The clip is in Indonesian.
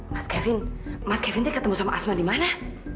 mas kevin mas kevin itu ketemu sama asma di mana